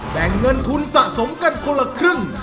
แบ่งเงินทุนสะสมกันคนละครึ่ง